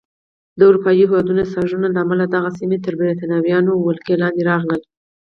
د اروپایي هېوادونو سازشونو له امله دغه سیمه تر بریتانوي ولکې لاندې راغله.